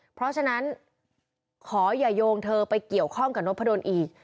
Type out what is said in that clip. เพราะฉะนั้นขออย่าโยงเธอไปเกี่ยวข้องกับนพดลอีก